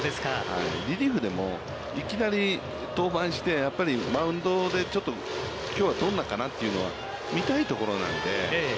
リリーフでも、いきなり登板して、やっぱりマウンドでちょっときょうはどんなかなというのは見たいところなので。